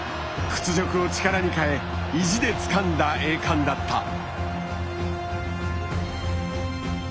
屈辱を力に変え意地でつかんだ栄冠だった。